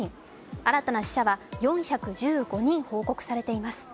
新たな死者は４１５人、報告されています。